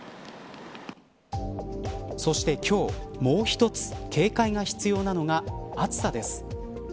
そして今日もう１つ警戒が必要なのが暑さです。